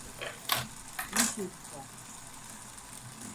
Mişi sva?